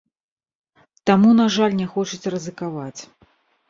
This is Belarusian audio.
Таму, на жаль, не хочуць рызыкаваць.